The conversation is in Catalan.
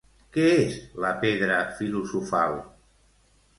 Què és la pedra filosofal?